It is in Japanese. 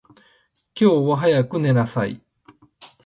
今日は早く寝なさい。